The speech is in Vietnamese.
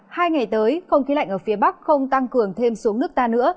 hai ngày tới không khí lạnh ở phía bắc không tăng cường thêm xuống nước ta nữa